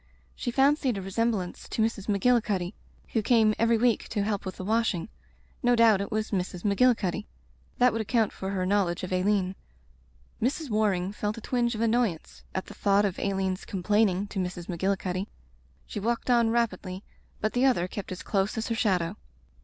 She fancied a resemblance to Mrs. Magilli cuddy who came every week to help with the washing. No doubt it was Mrs. Magilli cuddy. That would account for her knowl edge of Aileen. Mrs. Waring felt a twinge of annoyance at the thought of Aileen's complaining to Digitized by LjOOQ IC Broken Glass Mrs. Magillicuddy. She walked on rapidly, but the other kept as close as her shadow.